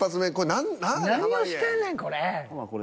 「何をしてんねん！？これ」。